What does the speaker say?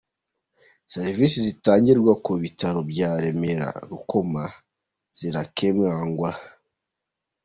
Serivisi zitangirwa ku bitaro bya Remera Rukoma zirakemangwa